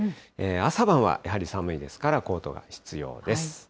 朝晩はやはり寒いですから、コートが必要です。